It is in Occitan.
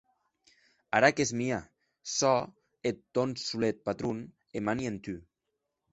Ara qu’ès mia; sò eth tòn solet patron, e mani en tu.